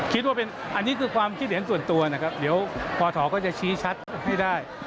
คิดว่าเป็นอันนี้คือความคิดเห็นส่วนตัวนะครับเดี๋ยวพศก็จะชี้ชัดให้ได้